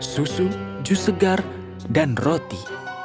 susu jus segar dan roti